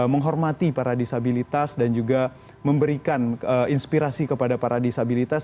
menghormati para disabilitas dan juga memberikan inspirasi kepada para disabilitas